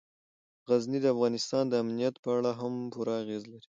غزني د افغانستان د امنیت په اړه هم پوره اغېز لري.